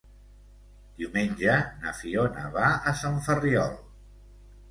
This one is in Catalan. Diumenge na Fiona va a Sant Ferriol.